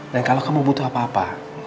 dan kalau kamu butuh apa apa